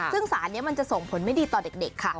ซึ่งสารนี้มันจะส่งผลไม่ดีต่อเด็กค่ะ